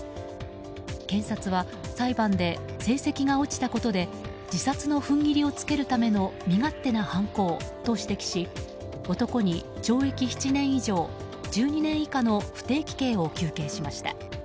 検察は、裁判で成績が落ちたことで自殺の踏ん切りをつけるための身勝手な犯行と指摘し男に、懲役７年以上１２年以下の不定期刑を求刑しました。